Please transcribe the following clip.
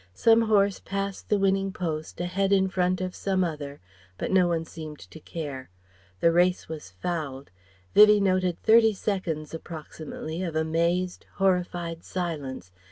Some horse passed the winning post, a head in front of some other, but no one seemed to care. The race was fouled. Vivie noted thirty seconds approximately of amazed, horrified silence.